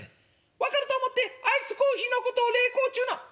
「分かると思ってアイスコーヒーのことを冷コーっちゅうな」。